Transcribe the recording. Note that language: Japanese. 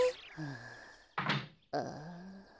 ああ。